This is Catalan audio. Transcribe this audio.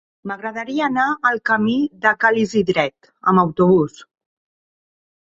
M'agradaria anar al camí de Ca l'Isidret amb autobús.